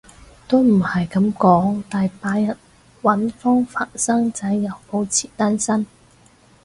都唔係噉講，大把人搵方法生仔又保持單身